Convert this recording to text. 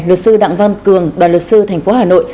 luật sư đặng văn cường đoàn luật sư tp hà nội